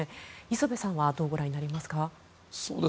磯部さんはどうご覧になりますか？